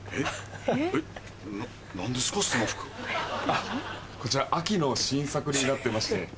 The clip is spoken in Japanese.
あっこちら秋の新作になってまして。